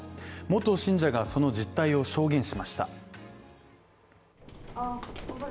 元信者が、その実態を証言しました。